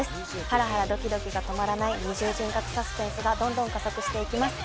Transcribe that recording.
ハラハラドキドキが止まらない二重人格サスペンスがどんどん加速していきます。